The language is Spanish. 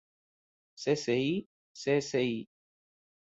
Sci., Sci.